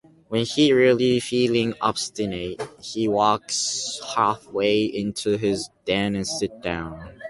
When he's really feeling obstinate, he walks halfway into his den and sits down.